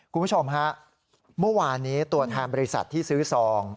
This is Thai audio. คุณผู้ชมฮะเมื่อวานนี้ตัวแทนบริษัทที่ซื้อซอง